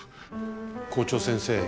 校長先生。